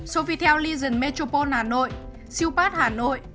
sofitel legion metropole hà nội siêu pát hà nội